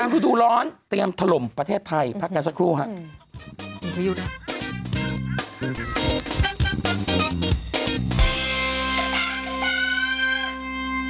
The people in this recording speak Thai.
ฤดูร้อนเตรียมถล่มประเทศไทยพักกันสักครู่ครับ